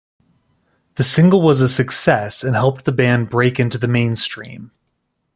The single was a success and helped the band break into the mainstream.